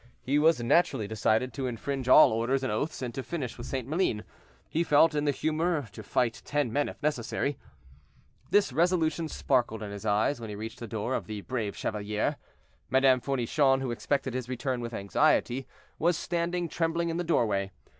He was naturally decided to infringe all orders and oaths, and to finish with St. Maline; he felt in the humor to fight ten men, if necessary. This resolution sparkled in his eyes when he reached the door of the "Brave Chevalier." Madame Fournichon, who expected his return with anxiety, was standing trembling in the doorway.